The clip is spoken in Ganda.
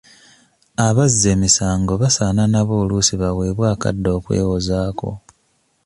Abazza emisango basaana nabo oluusi baweebwe akadde okwewozaako.